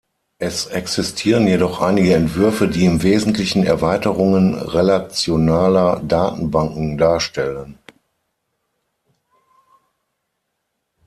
Es existieren jedoch einige Entwürfe, die im Wesentlichen Erweiterungen relationaler Datenbanken darstellen.